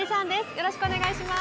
よろしくお願いします。